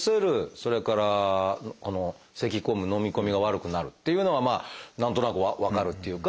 それから「せき込む」「のみ込みが悪くなる」っていうのはまあ何となく分かるっていうか